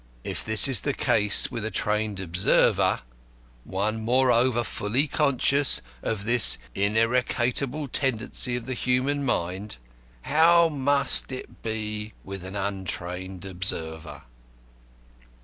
If this is the case with a trained observer, one moreover fully conscious of this ineradicable tendency of the human mind, how must it be with an untrained observer?"